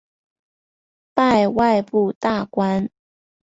拜外部大官。